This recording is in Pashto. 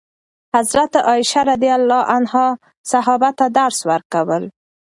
حضرت عایشه رضي الله عنها صحابه ته درس ورکول.